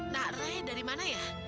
nak ray dari mana ya